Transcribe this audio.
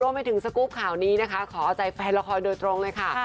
รวมไปถึงสกุปข่าวนี้นะคะขออาจารย์แฟนละครโดยตรงเลยค่ะ